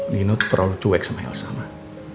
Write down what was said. nino tuh terlalu cuek sama elsa mak